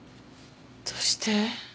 どうして？」